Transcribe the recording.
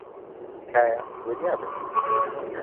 تکایە، وریا بن.